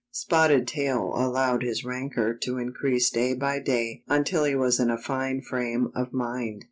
Spotted Tail allowed his rancor to increase day by day until he was in a fine frame of mind.